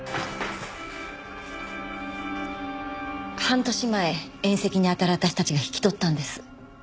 半年前遠戚にあたる私たちが引き取ったんです。